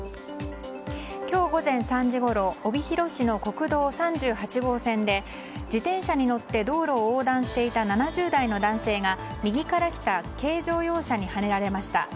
今日午前３時ごろ帯広市の国道３８号線で自転車に乗って道路を横断していた７０代の男性が右から来た軽乗用車にはねられました。